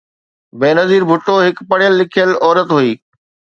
بينظير ڀٽو هڪ پڙهيل لکيل عورت هئي.